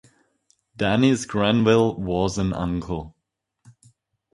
Denis Grenville was an uncle.